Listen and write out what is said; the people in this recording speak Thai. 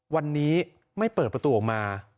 วันนี้ไม่เปิดประตูออกมา